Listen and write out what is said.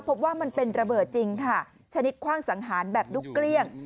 พบว่ามันเป็นระเบิดจริงค่ะชนิดคว่างสังหารแบบดุ๊กเกลี้ยง